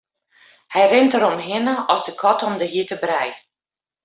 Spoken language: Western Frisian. Hy rint deromhinne rinne as de kat om de hjitte brij.